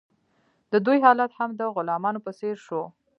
د دوی حالت هم د غلامانو په څیر شو.